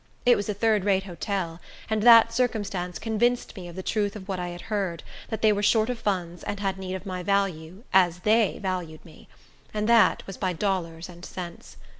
It was a third rate hotel, and that circumstance convinced me of the truth of what I had heard, that they were short of funds and had need of my value, as they valued me; and that was by dollars and cents.